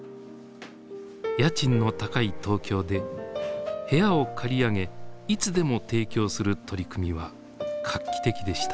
家賃の高い東京で部屋を借り上げいつでも提供する取り組みは画期的でした。